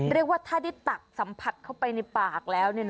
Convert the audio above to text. เรียกว่าถ้าได้ตักสัมผัสเข้าไปในปากแล้ว